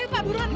masa yang perang